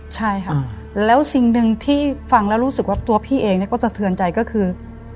ใช่ค่ะแล้วสิ่งหนึ่งที่ฟังแล้วรู้สึกว่าตัวพี่เองก็สะเทือนใจก็คือ